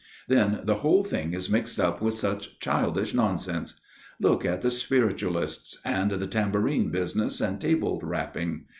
Then the whole thing is mixed up with such childish nonsense. Look at the spiritualists, and the tambourine business, and table rapping.